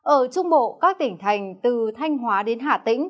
ở trung bộ các tỉnh thành từ thanh hóa đến hà tĩnh